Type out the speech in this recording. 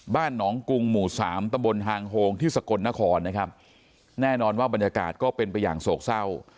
บ้านหนองกุงหมู่สามตะบนหางโฮงที่สกลนครนะครับแน่นอนว่าบรรยากาศก็เป็นไปอย่างโศกเศร้า